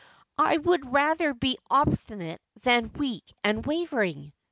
' I would rather be obstinate than weak and wavering.'